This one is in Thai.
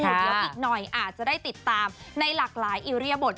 เดี๋ยวอีกหน่อยอาจจะได้ติดตามในหลากหลายอิริยบท